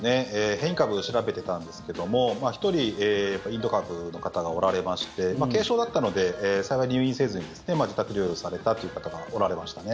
変異株を調べてたんですけども１人インド株の方がおられまして軽症だったので幸い入院せずに自宅療養されたという方がおられましたね。